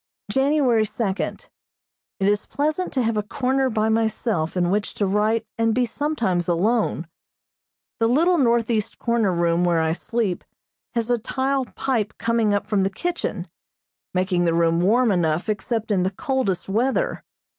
January second: It is pleasant to have a corner by myself in which to write and be sometimes alone. The little northeast corner room where I sleep has a tile pipe coming up from the kitchen, making the room warm enough except in the coldest weather.